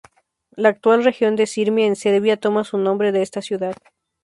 La actual región de Sirmia en Serbia toma su nombre de esta ciudad.